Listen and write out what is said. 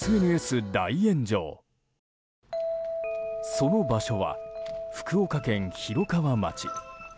その場所は、福岡県広川町。